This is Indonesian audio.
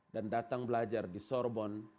dan datang belajar di sorbon